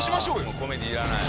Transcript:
もうコメディーいらない。